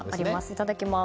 いただきます。